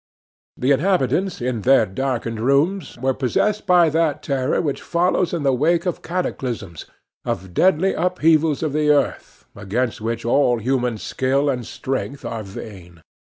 The inhabitants, in their darkened rooms, were possessed by that terror which follows in the wake of cataclysms, of deadly upheavals of the earth, against which all human skill and strength are vain.